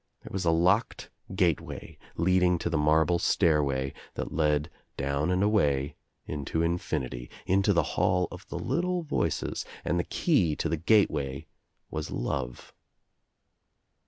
There was a locked gateway leading to the marble stairway that led down and away, into infinity, into the hall of the little voices and the key to the gateway was love.